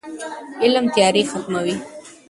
علم تیارې ختموي.